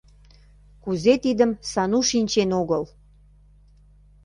Кузе тидым Сану шинчен огыл?